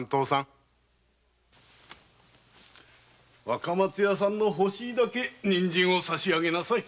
若松屋さんの欲しいだけ人参を差し上げなさい。